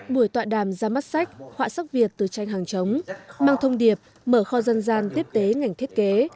buổi tọa đàm ra mắt sách họa sắc việt từ tranh hàng chống mang thông điệp mở kho dân gian tiếp tế ngành thiết kế